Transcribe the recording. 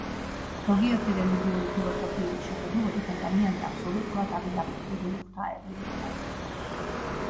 ზოგიერთი რელიგიური ფილოსოფიური შეხედულებით ადამიანი აბსოლუტურად არის დამოკიდებული ღვთაებრივ ნებაზე.